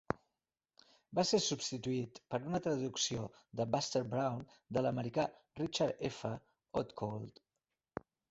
Va ser substituït per una traducció de "Buster Brown" de l'americà Richard F. Outcault.